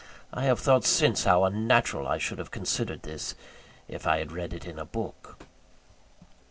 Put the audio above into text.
I have thought since how unnatural I should have considered this, if I had read it in a book.)